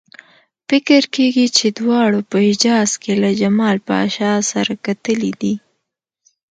فکر کېږي چې دواړو په حجاز کې له جمال پاشا سره کتلي دي.